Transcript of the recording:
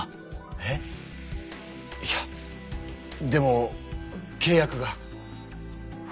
えっ⁉いやでもけい約が。